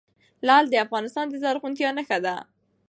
لعل د افغانستان د زرغونتیا نښه ده.